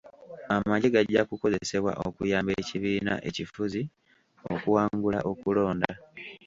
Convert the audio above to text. Amagye gajja kukozesebwa okuyamba ekibiina ekifuzi okuwangula okulonda.